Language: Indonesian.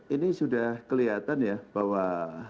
ini sudah kelihatan ya bahwa